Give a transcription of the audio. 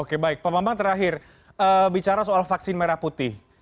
oke baik pak bambang terakhir bicara soal vaksin merah putih